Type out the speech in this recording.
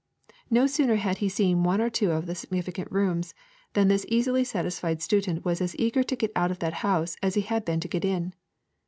No sooner had he seen one or two of the significant rooms than this easily satisfied student was as eager to get out of that house as he had been to get in.